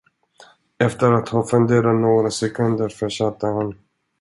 Efter att ha funderat några sekunder fortsatte han.